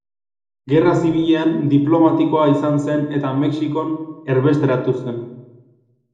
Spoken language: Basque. Gerra Zibilean diplomatikoa izan zen eta Mexikon erbesteratu zen.